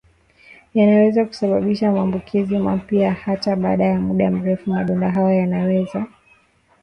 yanaweza kusababisha maambukizi mapya hata baada ya muda mrefu Madonda hayo yanaweza kudumisha